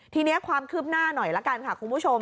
ทีนี้ความคืบหน้าหน่อยละกันค่ะคุณผู้ชม